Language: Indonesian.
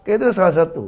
itu salah satu